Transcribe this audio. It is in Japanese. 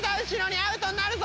アウトになるぞ！